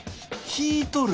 引いとる！